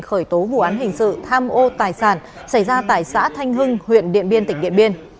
khởi tố vụ án hình sự tham ô tài sản xảy ra tại xã thanh hưng huyện điện biên tỉnh điện biên